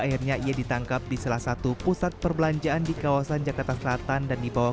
akhirnya ia ditangkap di salah satu pusat perbelanjaan di kawasan jakarta selatan dan dibawa